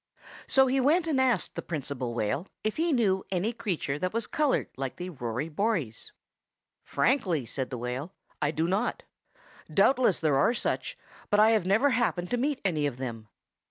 So he went and asked the Principal Whale if he knew any creature that was colored like the Rory Bories. "Frankly," said the whale, "I do not. Doubtless there are such, but I have never happened to meet any of them.